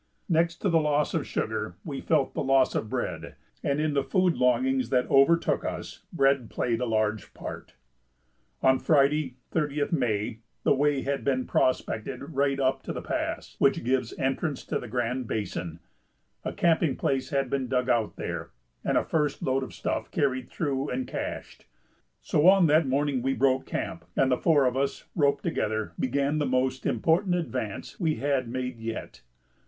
Next to the loss of sugar we felt the loss of bread, and in the food longings that overtook us bread played a large part. On Friday, 30th May, the way had been prospected right up to the pass which gives entrance to the Grand Basin; a camping place had been dug out there and a first load of stuff carried through and cached. So on that morning we broke camp, and the four of us, roped together, began the most important advance we had made yet.